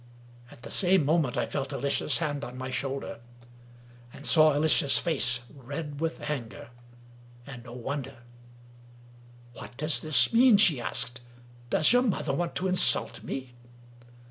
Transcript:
At the same moment I felt Alicia's hand on my shoulder, and saw Alicia's face red with anger — and no wonder! "What does this mean?" she asked. "Does your mother want to insult me?